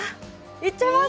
いっちゃいます！